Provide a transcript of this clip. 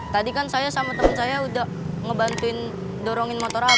tadi kan saya sama teman saya udah ngebantuin dorongin motor apa